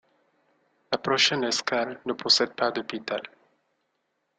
La prochaine escale ne possède pas d'hôpital.